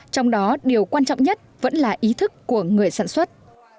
trong đó điều quan trọng nhất vẫn là ý thức của người sản xuất